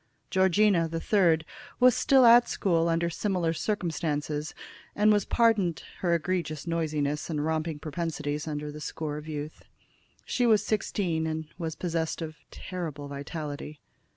Georgina, the third, was still at school under similar circumstances, and was pardoned her egregious noisiness and romping propensities under the score of youth. She was sixteen, and was possessed of terrible vitality.